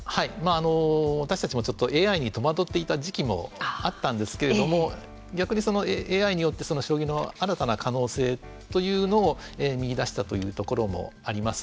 私たちもちょっとＡＩに戸惑っていた時期もあったんですけれども逆にそのＡＩによって将棋の新たな可能性というのを見いだしたというところもあります。